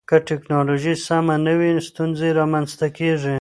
که ټکنالوژي سمه نه وي، ستونزې رامنځته کېږي.